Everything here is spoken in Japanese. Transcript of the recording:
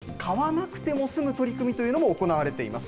そんなときに買わなくても済む取り組みというのも行われています。